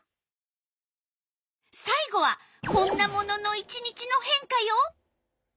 さい後はこんなものの１日の変化よ！